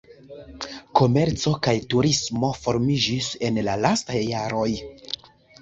Komerco kaj turismo formiĝis en la lastaj jaroj.